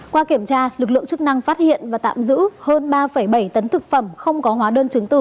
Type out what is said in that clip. qua kiểm tra lực lượng chức năng phát hiện và tạm giữ hơn ba bảy tấn thực phẩm không có hóa đơn chứng từ